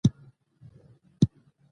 بلکې د خوشال خپل فردي خيال دى